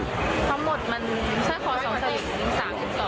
ทั้งหมดเส้นคอ๒สลึก